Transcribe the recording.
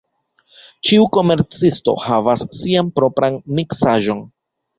Ĉiu komercisto havas sian propran miksaĵon.